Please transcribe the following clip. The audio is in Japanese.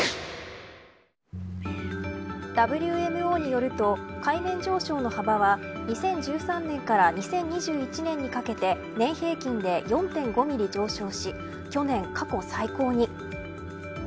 ＷＭＯによると海面上昇の幅は２０１３年から２０２１年にかけて年平均で４．５ミリ上昇し去年過去最高に。